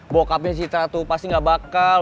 bokapnya citra tuh pasti gak bakal